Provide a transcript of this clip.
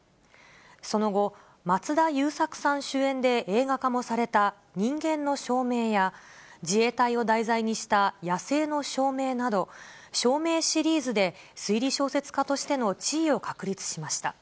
その後、松田優作さん主演で映画化もされた人間の証明や、自衛隊を題材にした野性の証明など、証明シリーズで推理小説家としての地位を確立しました。